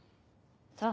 そう。